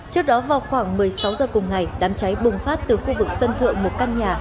trước đó vào khoảng một mươi sáu giờ cùng ngày đám cháy bùng phát từ khu vực sân thượng một căn nhà